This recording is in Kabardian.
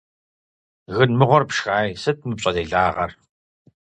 Гын мыгъуэр пшхаи, сыт мы пщӀэ делагъэр?